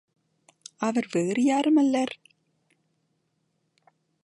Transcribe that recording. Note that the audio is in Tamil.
அவர் வேறு யாரும் அல்லர்.